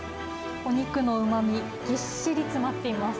お肉のうまみ、ぎっしり詰まっています。